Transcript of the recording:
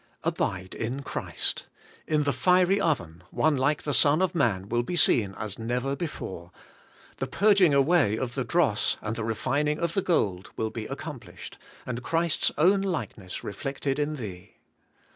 Abide in Christ: in the fiery oven, one like the Son of man will be seen as never before; the purging away of the dross and the refining of the gold will be accomplished, and Christ's own likeness reflected in thee.